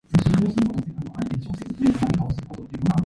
They were barracked around a village green in the centre of the town.